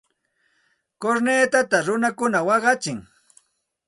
Kurnitata runakuna waqachin.